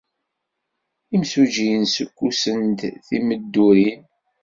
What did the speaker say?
Imsujjiyen ssukkusen-d timeddurin.